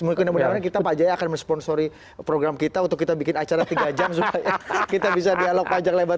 mudah mudahan kita pak jaya akan mensponsori program kita untuk kita bikin acara tiga jam supaya kita bisa dialog pajak lebar